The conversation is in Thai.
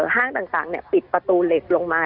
ห้างต่างปิดประตูเหล็กลงมา